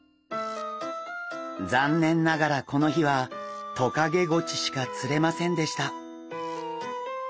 残念ながらこの日はトカゲゴチしか釣れませんでした。